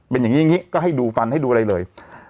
เป็นอย่างนี้อย่างนี้ก็ให้ดูฟันให้ดูอะไรเลย